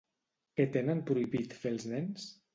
Què tenen prohibit fer els nens?